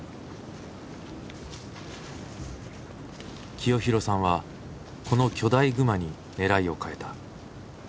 清弘さんはこの巨大熊に狙いをかえた。